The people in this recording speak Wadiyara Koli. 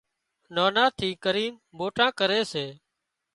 نانان ٿي ڪرينَ موٽان ڪري سي